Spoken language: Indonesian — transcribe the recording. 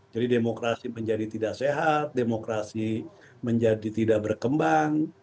jadi demokrasi menjadi tidak sehat demokrasi menjadi tidak berkembang